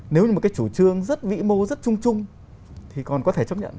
nếu như một cái chủ trương rất vĩ mô rất trung trung thì còn có thể chấp nhận